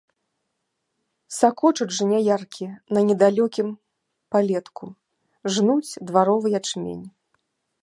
Сакочуць жняяркі на недалёкім палетку, жнуць дваровы ячмень.